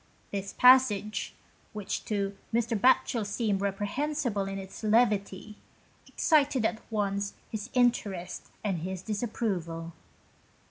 This passage, which to Mr. Batchel seemed reprehensible in its levity, excited at once his interest and his disapproval.